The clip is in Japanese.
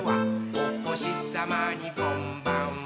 「おほしさまにこんばんは」